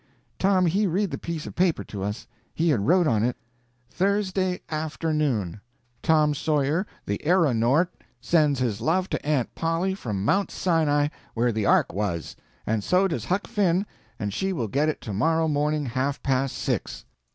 Tom he read the piece of paper to us. He had wrote on it: "THURSDAY AFTERNOON. Tom Sawyer the Erronort sends his love to Aunt Polly from Mount Sinai where the Ark was, and so does Huck Finn, and she will get it to morrow morning half past six."